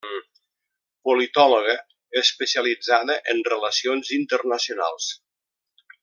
Politòloga especialitzada en relacions internacionals.